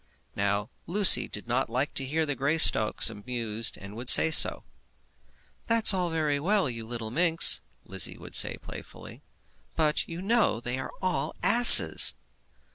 Now Lucy did not like to hear the Greystocks abused, and would say so. "That's all very well, you little minx," Lizzie would say playfully, "but you know that they are all asses!"